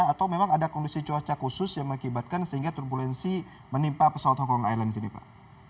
atau memang ada kondisi cuaca khusus yang mengakibatkan sehingga turbulensi menimpa pesawat hongkong islands ini pak